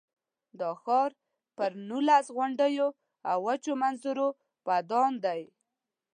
دا ښار پر نولس غونډیو او وچو منظرو ودان دی.